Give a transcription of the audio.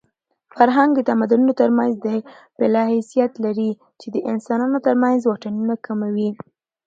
فرهنګ د تمدنونو ترمنځ د پله حیثیت لري چې د انسانانو ترمنځ واټنونه کموي.